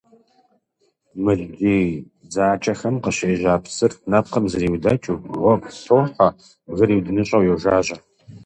Мыл джей дзакӀэхэм къыщежьа псыр, нэпкъым зриудэкӀыу, гъуэгу тохьэ, бгыр иудыныщӀэу йожажьэ.